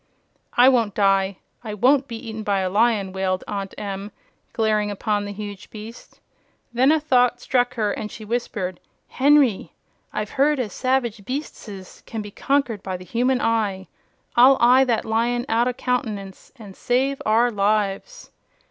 "I won't die. I won't be eaten by a lion!" wailed Aunt Em, glaring upon the huge beast. Then a thought struck her, and she whispered, "Henry, I've heard as savage beastses can be conquered by the human eye. I'll eye that lion out o' countenance an' save our lives."